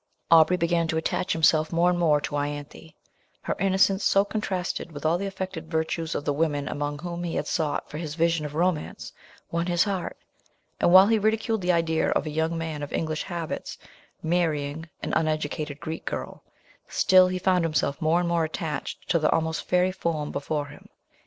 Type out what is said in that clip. Aubrey began to attach himself more and more to Ianthe; her innocence, so contrasted with all the affected virtues of the women among whom he had sought for his vision of romance, won his heart; and while he ridiculed the idea of a young man of English habits, marrying an uneducated Greek girl, still he found himself more and more attached to the almost fairy form before him.